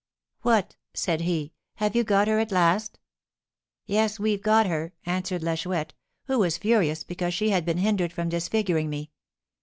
'What!' said he, 'have you got her at last?' 'Yes, we've got her,' answered La Chouette, who was furious because she had been hindered from disfiguring me.